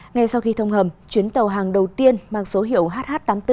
ngay sau khi thông hầm chuyến tàu hàng đầu tiên mang số hiệu hh tám mươi bốn